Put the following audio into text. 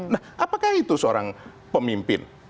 nah apakah itu seorang pemimpin